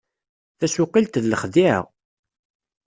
Tasuqilt d lexdiɛa.